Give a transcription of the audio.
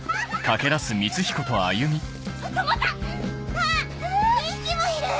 あっ２匹もいる！